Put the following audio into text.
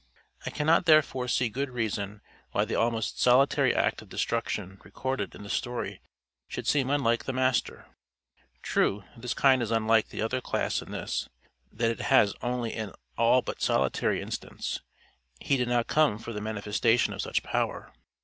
I cannot therefore see good reason why the almost solitary act of destruction recorded in the story should seem unlike the Master. True this kind is unlike the other class in this, that it has only an all but solitary instance: he did not come for the manifestation of such power.